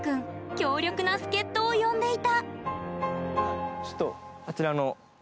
強力な助っとを呼んでいた。